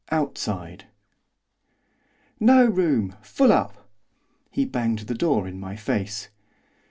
OUTSIDE 'No room! Full up!' He banged the door in my face.